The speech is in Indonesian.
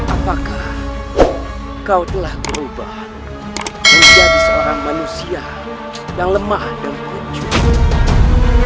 apakah kau telah berubah menjadi seorang manusia yang lemah dan ujuk